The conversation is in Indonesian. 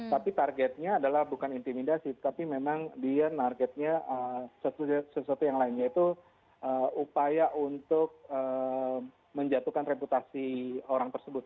tapi targetnya adalah bukan intimidasi tapi memang dia targetnya sesuatu yang lain yaitu upaya untuk menjatuhkan reputasi orang tersebut